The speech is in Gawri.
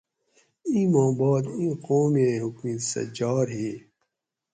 ایں ما باد ایں قومیں حکومِت سہ جار ہی